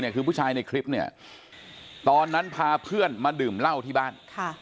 คือผู้ชายในคลิปเนี่ยตอนนั้นพาเพื่อนมาดื่มเหล้าที่บ้าน